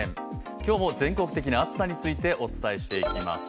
今日も全国的な暑さについてお伝えしていきます。